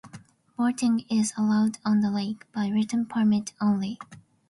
Boating is allowed on the lake by written permit only.